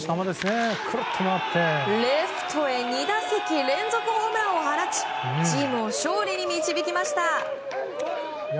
レフトへ２打席連続ホームランを放ちチームを勝利に導きました。